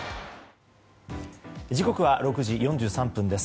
時刻は６時４３分です。